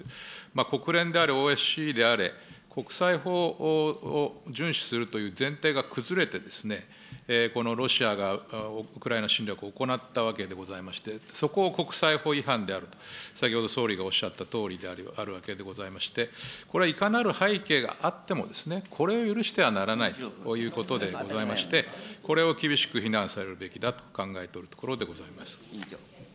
国連であれ、ＯＳＣであれ、国際法を順守するという前提が崩れて、このロシアがウクライナ侵略を行ったわけでございまして、そこを国際法違反であると、先ほど総理がおっしゃったとおりであるわけでございまして、これはいかなる背景があってもですね、これを許してはならないということでございまして、これを厳しく非難されるべきだと考えております。